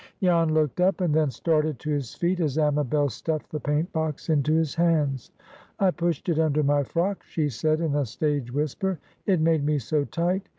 Jan looked up, and then started to his feet as Amabel stuffed the paint box into his hands. "I pushed it under my frock," she said in a stage whisper. "It made me so tight?